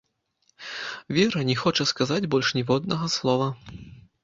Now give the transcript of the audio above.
Вера не хоча сказаць больш ніводнага слова.